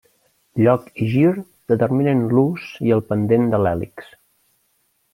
Lloc i gir determinen l'ús i el pendent de l'hèlix.